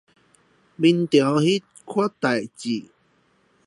明朝那些事兒